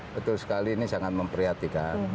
betul sekali ini sangat memprihatinkan